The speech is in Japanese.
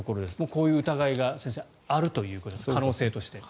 こういう疑いがあるということですね可能性として。